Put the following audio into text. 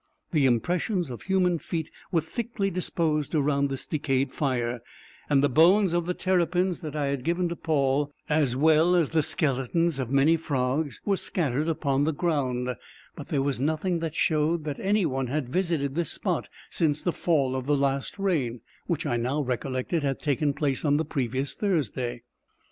The impressions of human feet were thickly disposed around this decayed fire: and the bones of the terrapins that I had given to Paul, as well as the skeletons of many frogs, were scattered upon the ground, but there was nothing that showed that any one had visited this spot, since the fall of the last rain, which I now recollected had taken place on the previous Thursday.